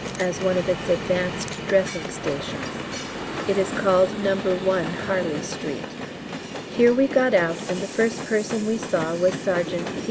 as one of its advanced dressing stations. It is called No. 1 Harley Street. Here we got out, and the first person we saw was Sergt.